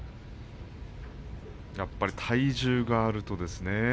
やっぱり体重があるとですね